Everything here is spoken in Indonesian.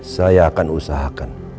saya akan usahakan